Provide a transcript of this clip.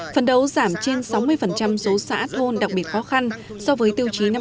phần đấu giảm trên sáu mươi số xã thôn đặc biệt khó khăn so với tiêu chí năm hai nghìn một mươi